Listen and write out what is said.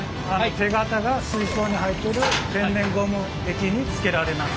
手型が水槽に入ってる天然ゴム液につけられます。